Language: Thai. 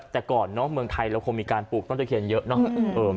แต่ก่อนเนาะเมืองไทยเราคงมีการปลูกต้นตะเคียนเยอะเนาะ